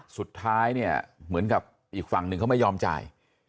สุดท้ายเนี่ยเหมือนกับอีกฝั่งหนึ่งเขาไม่ยอมจ่าย